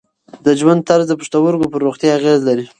د ژوند طرز د پښتورګو پر روغتیا اغېز لري.